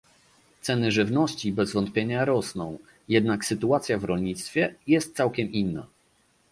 Ceny żywności bez wątpienia rosną, jednak sytuacja w rolnictwie jest całkiem inna